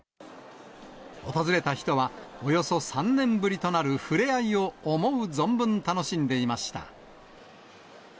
訪れた人は、およそ３年ぶりとなる触れ合いを思う存分楽しんでいました。